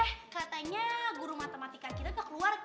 eh katanya guru matematika kita keluar kan